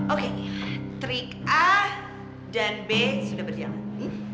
oke trik a dan b sudah berjalan